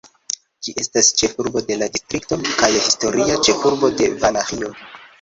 Ĝi estas ĉefurbo de la distrikto kaj historia ĉefurbo de Valaĥio.